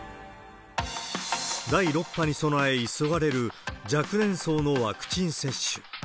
第６波に備え急がれる、若年層のワクチン接種。